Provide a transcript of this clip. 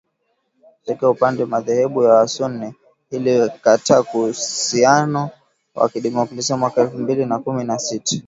katika upande madhehebu ya wasunni, ilikata uhusiano wa kidiplomasia mwaka elfu mbili na kumi na sita